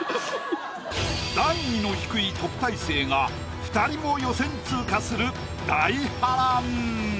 段位の低い特待生が２人も予選通過する大波乱。